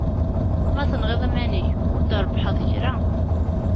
Ma tenɣiḍ iman-ik, ur d-trebbḥeḍ kra.